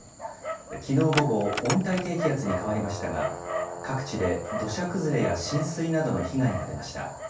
きのう午後、温帯低気圧に変わりましたが、各地で土砂崩れや浸水などの被害が出ました。